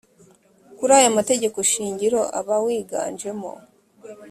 kuri aya mategeko shingiro abawiganjemo